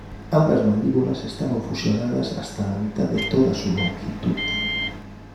Ambas mandíbulas estaban fusionadas hasta la mitad de toda su longitud.